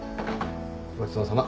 ごちそうさま。